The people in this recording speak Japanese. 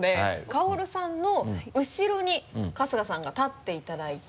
薫さんの後ろに春日さんが立っていただいて。